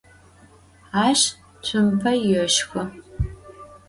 Aş tsumpe yêşşxı.